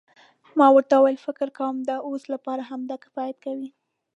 ما ورته وویل فکر کوم د اوس لپاره همدا کفایت کوي.